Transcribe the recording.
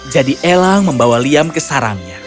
jadi elang membawa liam ke sarangnya